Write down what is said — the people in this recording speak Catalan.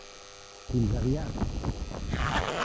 Fins aviat!